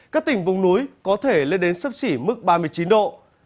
các tỉnh vùng núi có thể lên đến sấp xỉ mức ba mươi chín độ